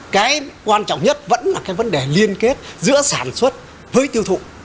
cái quan trọng nhất vẫn là cái vấn đề liên kết giữa sản xuất với tiêu thụ